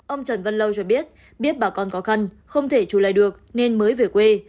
ông trần văn lâu cho biết biết bà con có khăn không thể trù lại được nên mới về quê